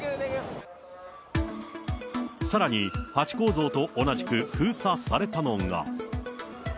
さらにハチ公像と同じく封鎖されたのが。